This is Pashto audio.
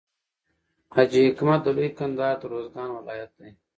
حاجي حکمت د لوی کندهار د روزګان ولایت دی.